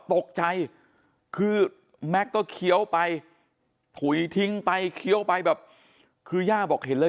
ตกใจคือแม็กซ์ก็เคี้ยวไปถุยทิ้งไปเคี้ยวไปแบบคือย่าบอกเห็นเลย